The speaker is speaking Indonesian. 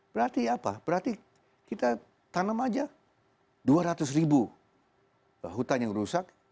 berarti apa berarti kita tanam aja dua ratus ribu hutan yang rusak